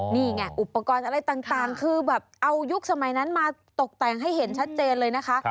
นี่ไงอุปกรณ์อะไรต่างคือแบบเอายุคสมัยนั้นมาตกแต่งให้เห็นชัดเจนเลยนะคะ